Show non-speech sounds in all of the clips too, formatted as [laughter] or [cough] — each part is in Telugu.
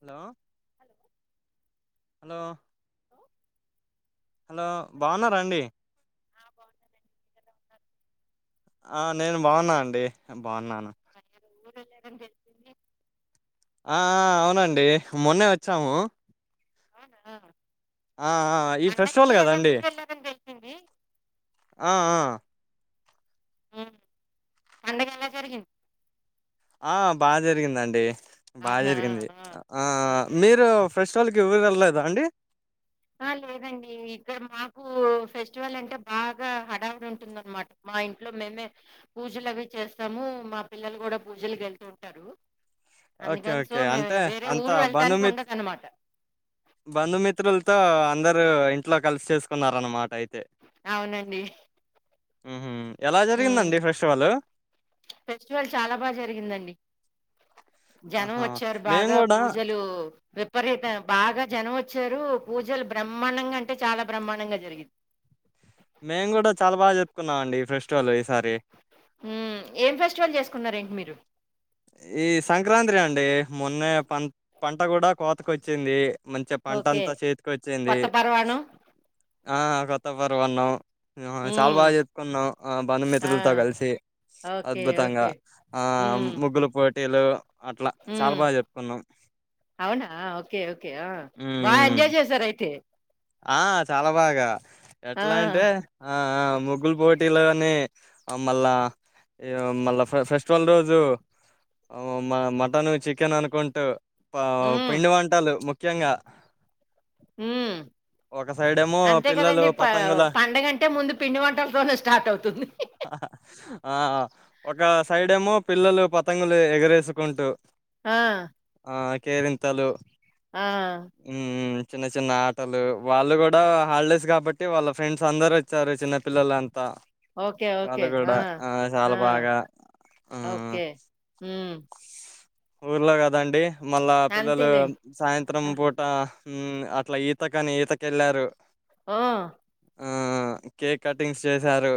Hello, hello hello hello hello, బాగున్నారా అండి. ఆ బాగున్నామండి, మీరు ఎలా ఉన్నారు. ఆ నేను బాగున్నా అండి, బాగున్నాను. [inaudible] జెప్పింది. ఆ ఆ అవునండి మొన్నే వచ్చాము. అవునా. ఆ ఆ ఈ పండక్కి ఫెస్టివల్ ఏదో కదండి, ఊరు వెళ్ళారని తెలిసింది ఆ ఆ ఉమ్ పండగ ఎలా జరిగింద్. ఆ బాగా జరిగిందండి, బా అవునా జరిగింది. ఆ ఓకే మీరు ఫెస్టివల్కి ఊరు ఎల్త్ ఎల్ లేదా అండి. ఆ లేదండి, ఇక్కడ మాకు ఫెస్టివల్ అంటే బాగా హడావుడి ఉంటుందన్నమాట్ మా మా ఇంట్లో మేమే పూజలు అవి చేస్తాము. మా పిల్లలు గుడా పూజలకి ఎళ్తు ఉంటారు. ఓకే అందుకని సో, ఓకే మేం అంటే వేరే ఊరు వెళ్ళటానికి ఉండదు అన్నమాట. బంధు మిత్రుల్ తో, అందరు ఇంట్లో కలిసి చేసుకున్నారాన్నమాట అయితే. అవునండి ఉహుమ్ ఎలా ఉమ్. జరిగిందండి ఫెస్టివలు. ఫెస్టివల్ చాలా బాగా జరిగిందండి జనం వచ్చారు బాగా, పూజలు విపరీత, బాగా జనం వచ్చారు. పూజలు బ్రహ్మాండంగా అంటే, చాలా బ్రహ్మాండంగా జరిగింద్. మేము గుడా చాలా బాగా జరుప్పుకున్నాం అండి ఫెస్టివల్ ఈసారి. హుమ్మ్ ఏం ఫెస్టివల్ జేసుకున్నార్ ఏంటి మీరు. ఈ సంక్రాంతి అండి, మొన్నే పన్, పంట గుడా కోతకి వచ్చింది. మంచిగా పంట ఓకే అంతా చేతికి ఓచ్చింది. కొత్త పర్వాణం ఆ కొత్త పరమాన్నాం. ఆ చాలా ఉమ్, బాగా జరుప్పుకున్నాం, ఆ ఆ, బంధుమిత్రులతో కల్సి. ఓకే అద్భుతంగా, ఓకే ఆ ఉమ్, ముగ్గులు పోటీలు. అట్లా, చాలా ఉమ్, బాగా జరుప్పుకున్నాం. అవునా ఓకే, ఓకే ఆ బా హ్మ్. ఎంజాయ్ చేసారు అయితే. ఆ చాలా బాగా, ఆ, ఎట్లా అంటే ఆ ఆ ముగ్గుల్ పోటీలునీ, ఆ మళ్ళా ఈ మళ్ళా ఫె, ఫెస్టివల్ రోజు ఆ మా మటన్, చికెన్ అనుకుంటూ పా ఉమ్, పిండి వంటలు ముఖ్యంగా, ఉమ్మ్ ఒక సైడ్ ఏమో అంతే పిల్లలు కదండి ప పతంగుల పండుగంటే ముందు పిండి వంటలతోనే స్టార్ట్ అవుతుంది ఆ ఒక సైడేమో పిల్లలు పతంగులు ఎగరేసుకుంటూ ఆ ఆ కేరింతలు ఆ ఉమ్ చిన్న చిన్న ఆటలు వాళ్ళు కూడా హాలిడేస్ కాబట్టి వాళ్ళ ఫ్రెండ్స్ అందరు వచ్చారు చిన్నపిల్లలు త ఓకే వాళ్ళు ఓకే కూడా ఆ చాలా ఆ. బాగా ఆ ఓకే ఉం ఊర్లో కదండి మళ్ళా పిల్లలు అంతేలెండి. సాయంత్రం ఆ! పూట ఉం అట్లా ఈతకని ఈతకెళ్ళారు ఆ ఆ కేక్ కటింగ్స్ చేసారు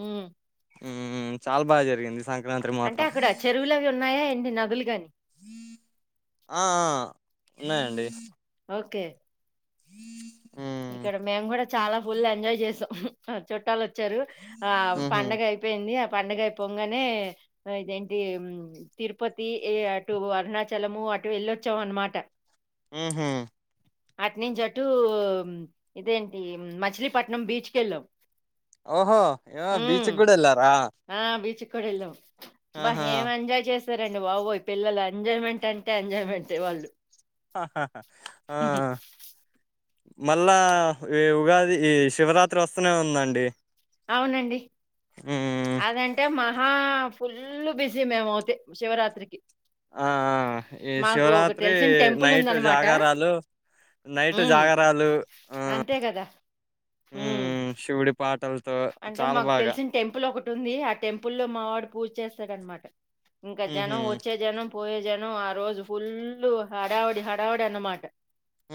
ఉం ఉం చాలా బాగా జరిగింది సంక్రాంతి మాత్రం అంటే అక్కడ చెరువులు అవి ఉన్నాయా ఏంటి నదులు గాని ఆ ఆ ఉన్నాయండి ఓకే హ్మ్ ఇక్కడ మేము కూడా చాలా ఫుల్ ఎంజాయ్ చేసాం చుట్టాలు వచ్చా వచ్చారు ఆ ఊహూ పండగ అయిపోయింది పండగయిపోంగానే ఇదిఏంటి తిరుపతి ఏ అటు అరుణాచలము పాటు వెళ్ళొచ్చాం అన్నమాట ఊహా అటి నుంచి అటు ఇదేంటి మచిలీపట్నం బీచ్కెళ్ళాం ఓహో ఏవ బీచ్కి కూడా ఎల్లారా క్కడ వెళ్ళాం అబ్బా ఏం ఎంజాయ్ చేస్ సారండి బాబోయు పిల్లలు ఎంజాయ్మెంట్ అంటే ఎంజాయమెంటే వాళ్ళు హా హా ఆ హుహు. మళ్ళా ఈ ఉగాది ఈ శివరాత్రి వస్తూనే ఉందండి అవునండి హ్మ్ అదంటే మహా ఫుల్ బిజీ మేము అవుతే శివరాత్రికి ఆ ఈ మాకు ఒక శివరాత్రి తెలిసిన నైట్ టెంపులుందనమాట. జాగారాలు నైటు హ్మ్. జాగరలు ఆ అంతే గదా! ఉ హ్మ్. ఊ శివుడి పాటల్ అంటే మాకు తెలిసిన టెంపుల్ ఒకటి ఉంది ఆ టెంపుల్ లో మావాడు పూజ చేస్తాడ అనమాట ఇంకా ఊహూ జనం వచ్చే జనం పోయే జనం ఆ రోజు ఫుల్ హడావడి హడావడి అన్నమాట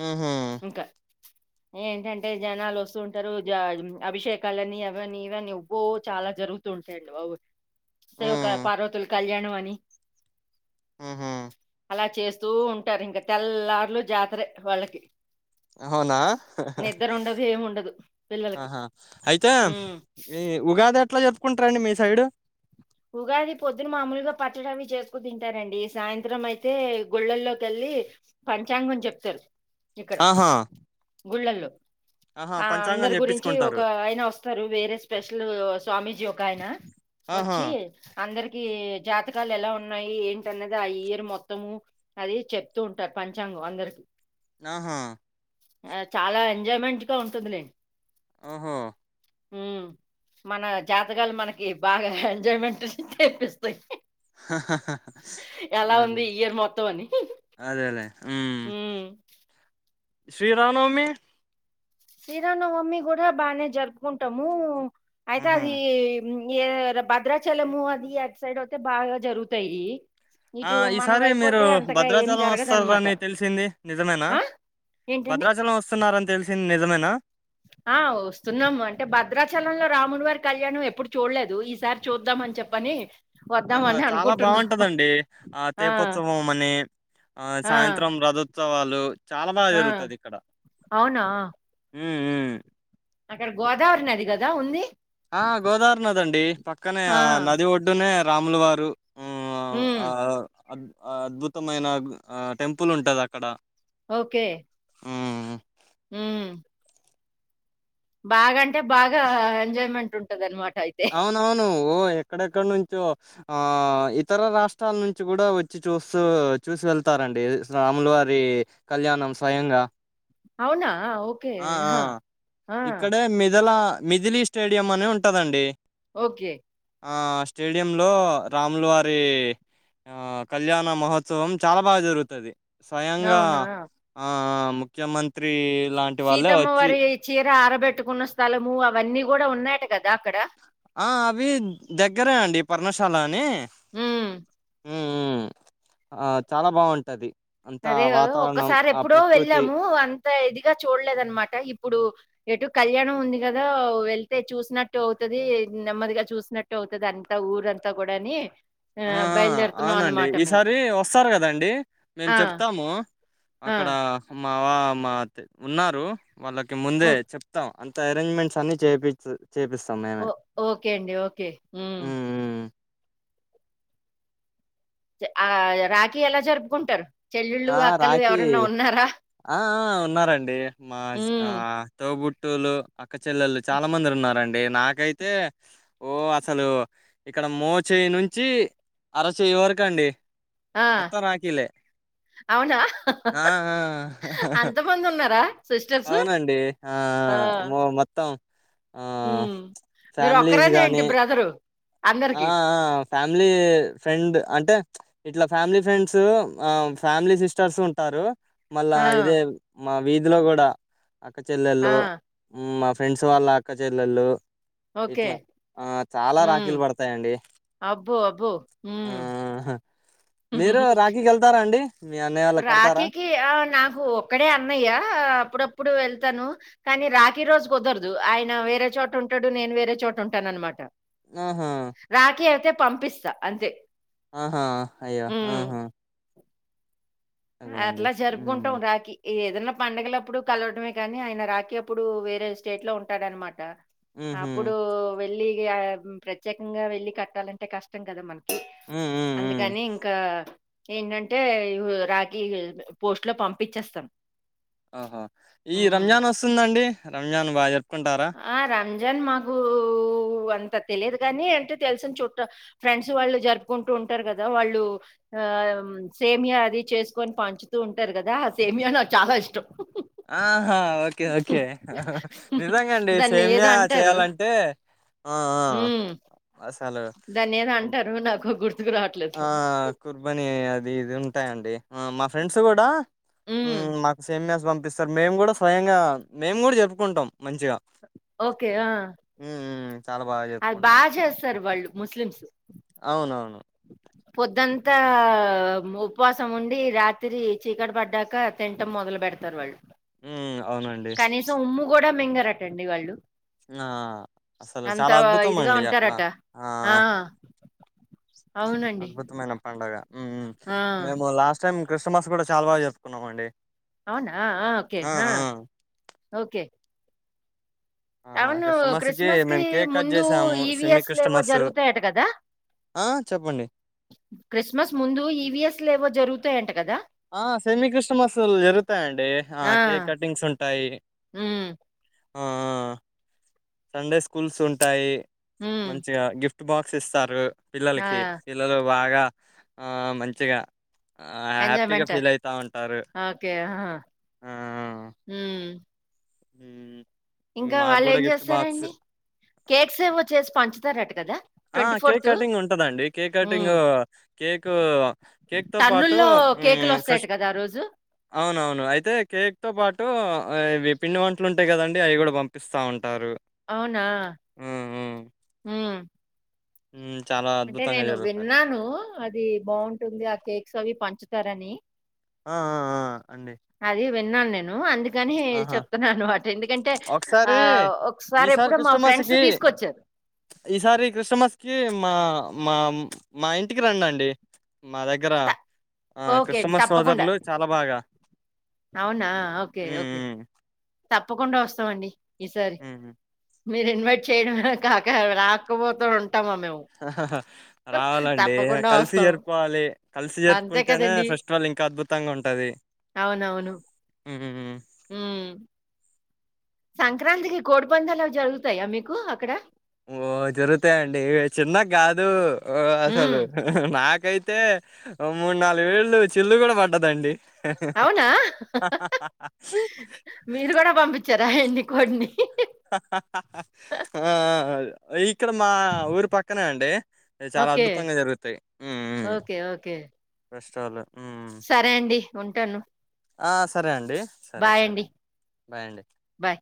ఊహూ ఇంకా ఏంటంటే జనాలు వస్తూంటారు జా అభిషేక్ కాలని అవనీ ఇవని అబ్బో చాలా జరుగుతుంటాయియండి బాబు శివ హ్మ్ పార్వతులు కళ్యాణం అని ఆ హా ఇలా చేస్తూ ఉంటారు ఇంకా తెల్లార్లు జాతరే వాళ్ళకి అవునా నిద్రుండదు, ఏముండదు పిల్లలకి. ఆహా అయితే హ్మ్. ఈ ఉగాది ఎట్లా జరుపుకుంటారండి మీ సైడు ఉగాది పొద్దున మామూలుగా పచ్చడి అవి చేసుకు తింటారండి సాయంత్రం అయితే గుళ్ళల్లో కేళ్ళి పంచాంగం చెప్తరు ఇక్కడ ఆహా గుళ్ళల్లో ఆహా ఆ పంచాంగం అందరి గురించి ఒక చెప్పించుకుంటారు ఆయన వస్తారు వేరే స్పెషల్ స్వామీజీ ఒక ఆయన ఆహా చ్చి అందరికి ఈ జాతకాలు ఎలా ఉన్నాయి ఏంటనది ఆ ఇయర్ మొత్తము అది చెప్తూ ఉంటారు పంచాంగ అందరికి ఆహా చాలా ఎంజాయ్మెంట్ గా ఉంటుందిలే ఆహా ఉ మన జాతకాలు మనకి బాగా ఎంజాయ్మెంట్ తెపిస్తాయి ఎలా అ ఉంది ఇయర్ మొత్తం అని అదేలే ఉమ్ హ్మ్. శ్రీరామనవమి శ్రీరామనవమి కూడా బానే జరుపుకుంటాము అయితే ఆహా అది ఏ భద్రాచలము అది అయాట్ సైడ్ అతే బాగా జరుగుతాయి ఆ ఇటు మనం ఈసారి మీరు వైపొతే అంతగా ఏం భద్రాచలం జరగదనమాట. వస్తారని తెలిసింది నిజమేనా ఆ! ఏంటండి? భద్రాచలం వస్తున్నారని తెలిసి నిజమేనా ఆ వస్తున్నాము అంటే భద్రాచలంలో రాముడి వారి కళ్యాణం ఎప్పుడు చూడలేదు ఈసారి చూద్దామని అని చెప్పని ఆహా వద్దామని చాలా అనుకుంటున్నాం. బాగుంటదండి ఆ తీపోత్సవం అని ఆ సాయంత్రం రథోత్సవాలు చాలా బాగా ఆ! జరుగుతది ఇక్కడ అవునా! ఉమ్ అక్కడ గోదావరి నది కదా ఉంది ఆ గోదావరి నదిండి పక్కనే ఆ నది ఒడ్డునే రాముల వారు ఉమ్ అ అద్భుతమైన టెంపుల్ ఉంటది అక్కడ ఓకే హ్మ్. ఉమ్ బాగాంటే బాగా ఎంజాయ్మెంట్ ఉంటది అనమాట అయితే అవునవును ఓ ఎక్కడెక్కడ నుంచో ఆ ఇతర రాష్ట్రాల నుంచి కూడా వచ్చి చూస్తూ చూసి వెళ్తారు రండి రాములువారి కళ్యాణం స్వయంగా అవునా ఓకే ఆ ఆ హా ఆ ఇక్కడే మిదల మిథిలీ స్టేడియం అనీ ఉంటదండి ఓకే ఆ స్టేడియంలో రాములు వారి ఆ కళ్యాణ మహోత్సవం చాలా బాగా జరుగుతది స్వయంగా అవునా ఆ ముఖ్యమంత్రి లాంటి వాళ్ళే సీతమ్మ వచ్చి వారి చీర ఆరబెట్టుకున్న స్థలము అవన్నీ కూడా ఉన్నాయట కదా అక్కడ ఆ అవి దగ్గరే అండి పర్ణశాల అని ఉమ్ ఉమ్ ఆ చాలా బాగుంటది అంతా అదే వాతావరణం ఒక్కసారి ఆ ఎప్పుడో ప్రకృతి వెళ్ళాము అంత ఇదిగా చూడలేదనమాట ఇప్పుడు ఎటు కళ్యాణం ఉంది కదా వెళ్తే చూసినట్టు అవుతుది నెమ్మదిగా చూసినట్టు అవుతుది అంత ఊరు అంతా కూడా అని ఆ అవునండి ఈసారి వస్తారు కదండి మేము ఆ! చెప్తాము ఆ! అక్కడ మావా మా ఉన్నారు వాళ్ళకి ఓ ముందే చెప్తాం అంత అరేంజ్మెంట్స్ అన్ని చేయిచ్చ చేపిస్తాం ఓ మేమే ఓకే అండి. ఓకే. హ్మ్. ఉమ్ ఆ రాఖీ ఎలా జరుపుకుంటారు చెల్లుళ్ళు, ఆ అక్కలు రాఖీ ఎవరన్నా ఉన్నారా? ఆ ఆ ఉన్నారండి మా ఆ హ్మ్. తోబుట్ బుట్టులు అక్క చెల్లెలు చాలా మంది ఉన్నరండి నాకైతే ఓ అసలు ఇ ఇక్కడ మోచ్యి నుంచి అరచెయ్యి వరకు అండి ఆ! మొత్తం రాకీలే అవునా? ఆ ఆ అంతమందున్నారా సిస్టర్సు? అవునండి ఆ ఆ మొ మొత్తం ఆ హ్మ్. ఫ్యామిలీస్ మీరొక్కరేనా ఏంటి గానీ బ్రదరు ఆ అందరికి? ఆ ఫ్యామిలీ ఫ్రెండ్ అంటే ఇట్లా ఫ్యామిలీ ఫ్రెండ్స్ ఆ ఫ్యామిలీ సిస్టర్స్ ఉంటారు మళ్ళా ఆ! ఇదే మా వీధిలో కూడా అక్క ఆ! చెల్లెళ్ళు మ్ మా ఫ్రెండ్స్ వాళ్ళ అక్క చెల్లెళ్ళు ఓకే. ఇట్లా ఆ చాలా హ్మ్. రాఖీలు పడ్ తయాండి అబ్బో! అబ్బో! హ్మ్. ఆహా మీరు రాఖీకేళ్తారా అండి మీ అన్నయ్య వాళ్ళకి కడతారా రాఖీకి ఆ నాకు ఒక్కడే అన్నయ్య అప్పుడప్పుడు వెళ్తాను కానీ రాఖీ రోజు కుదరదు ఆయన వేరే చోట ఉంటాడు నేను వేరే చోట ఉంటాను అనమాట ఆహా రాఖీ అయితే పంపిస్తా అంతే ఆహా అయ్యే హ్మ్. ఆహా అదే అండి అట్లా హ్మ్ జరుపుకుంటాం రాకి ఏదైనా పండుగలప్పుడు కలవడమే కానీ ఆయన రాకి అప్పుడు వేరే స్టేట్ లో ఉంటాడన్నమాట ఉహు అప్పుడు వెళ్ళి ప్రత్యేకంగా వెళ్లి కట్టాలంటే కష్టం కదా మన్ హ్మ్ హ్మ్ హ్మ్ అందుకని ఇంకా ఏంటంటే రా కి పోస్ట్ లో పంపించేస్తాం ఆహ ఈ రంజాన్ వస్తుందండి రంజాన్ బ జర్ ఆ రంజాన్ మకు కు అంత తెలియదు గాని అంటే తెలిసిన చుట్ట ఫ్రెండ్స్ వాళ్ళు జరుపుకుంటూ ఉంటారు కదా వాళ్ళు ఆ సేమియా అది చేసుకొని పంచుతూ ఉంటారు కదా ఆ సేమియా నాకు చాలా ఇష్టం ఆహా ఓకే ఓకే నిజ మే అండి దాన్ని సేమ్య ఏదో అంటారు చేయాలంటే ఆ ఆ అసలు దాని ఏదొ హ్మ్. అంటారు నాకు గుర్ ఆ కుర్బని అది ఇది ఉంటాయండి మా ఫ్రెండ్స్ కూడా ఉమ్, మ్ మాకు సేమ్యాస్ పంపిస్తారు మేము కూడా స్వయంగా మేము కూడా చేప్పుకుంటాం మంచిగా ఓకే ఆ. మ్ అది బాగా చేస్తారు వాళ్ళు ముస్లిమ్స్ అవునవును [inaudible] పొద్దంతా ఉపవాసం ఉండి రాత్రి చీకటి పడ్డాక తింటం మొదలు పె పెడుతర్వాల్ మ్ అవునండి మింగారట అండి వాళ్ళు ఆ అసలు అంత చాలా అద్భుతం ఇదిగా అండి అట్లా ఉంటారట ఆ అవునండి అద్భుతమైన పండగా ఆ మేము లాస్ట్ టైం క్రిస్టమస్ కూడా చాలా బాగా చెప్తున్నాంమండి అవునా ఆ ఓకే ఆ ఓకే ఆ అవును క్రిస్టమస్కి క్రిస్మస్ కి మేము కేక్ కట్ ముందు చేసాము సెమి ఈవీఎస్ లేవో క్రిస్టమస్ జరుగుతాయట కదా ఆ చెప్పండి క్రిస్మస్ ముందు ఈవిఎస్ లో లేవో జరుగు ఆ సెమీ కృష్టమసుల్ జరుగుతాయండి ఆ కేక్ కటింగ్స్ ఉంటాయి హమ్ ఆ సండే స్కూల్స్ ఉంటాయి ఉమ్, మంచిగా గిఫ్ట్ చ బాక్స్ ఇస్తారు ఆ పిల్లలకి పిల్లలు బాగా ఆ మంచిగా ఆ హ్యాపీగా ఎంజాయ్మెంట్ ఫీల్ అయితా ఉంటారు ఓకే ఆ, ఆ ఉమ్. హ ఇంకా వాళ్ళు ఏం చేస్తారండి కేక్స్ ఏవో చేేసి పంచుతారట కదా ఆ కేక్ కటింగ్ ఉంటదండి కేక్ కటింగ్ హ్మ్. కేక్ కేక్ తో పాటు కేకులు ఫ్రెష్ వస్తాయి కదా రోజు అవునవును అయితే కేక్ తో పాటు విన్ని వంటలు ఉంటాయి కదండి అవి కూడా పంపిస్తా ఉంటాయి అవునా హ్మ్. హ హ్మ్. చాలా అంటే అద్భుతంగా నేను జరుగుతది. విన్నాను అది బాగుంటుంది ఆ కేక్స్ అవి పంచుతారని ఆ ఆ ఆ అండి అది విన్నాను నేను అండి కాని ఆహా! చెప్తున్నా అన్నమాట ఎందుకంటే ఆ ఒకసారి ఒకసారి ఎప్పుడో మా ఫ్రెండ్స్ తీసుకొచ్చారు ఈ సారి క్రిస్మస్ కీ మా మ మా ఇంటికి రండి ఆంటీ మా దగ్గర త ఆ ఓకే అండి. క్రిస్టమస్ తప్పకుండా. సోదరులు చాలా బాగ అవునా ఓకే ఓకే ఈసారి హ్మ్. హ్మ్. మీరు ఇన్వైట్ చేయడం కాక రాకపోత ఉంట హా హాహా రావాలండి తప్పకుండా కలిసి వస్తాం. జరుపుకోవాలి కలిసి అంతే జరుపుకుంటేనే కదండీ! ఫెస్టివల్ ఇంకా అద్భుతంగా ఉంటది అవునవును హమ్ సంక్రాంతికి కోడి పందాలుఅవి జరుగుతాయా మీకు అక్కడ ఓ జరుగుతాయండి చిన్న కాదు అసలు హ్మ్. నాకు నాకైతే మూడు నాలుగు వెళ్లు చిల్లు కూడా పడ్డదండి అవునా మీరు కూడా పంపించారా ఎన్ని కోడిని ఆ ఇక్కడ మా ఊరు పక్కనే అండి చాలా ఓకే. అద్భుతంగా జరుగుతాయి ఓకే. ఓకే. సరే అండి. ఉంటాను అ సరే అండి సరే బాయ్ సరే అండి. అ బాయ్ అండి బాయ్.